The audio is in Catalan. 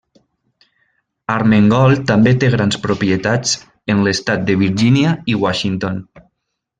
Armengol també té grans propietats en l'estat de Virgínia i Washington.